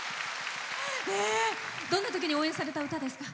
どんなときに応援された歌ですか？